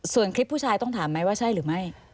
ส่วนคลิปผู้ชายต้องถามไหมว่าใช่หรือไม่